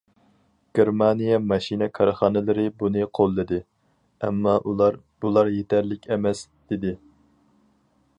گېرمانىيە ماشىنا كارخانىلىرى بۇنى قوللىدى، ئەمما ئۇلار« بۇلار يېتەرلىك ئەمەس» دېدى.